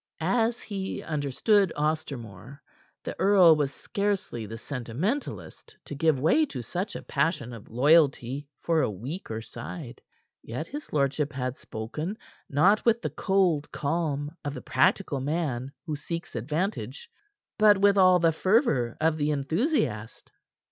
As he understood Ostermore, the earl was scarcely the sentimentalist to give way to such a passion of loyalty for a weaker side. Yet his lordship had spoken, not with the cold calm of the practical man who seeks advantage, but with all the fervor of the enthusiast.